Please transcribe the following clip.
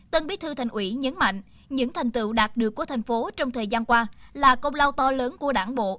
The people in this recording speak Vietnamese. tân bí thư thành ủy nhấn mạnh những thành tựu đạt được của thành phố trong thời gian qua là công lao to lớn của đảng bộ